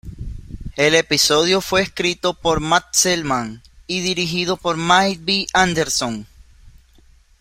El episodio fue escrito por Matt Selman y dirigido por Mike B. Anderson.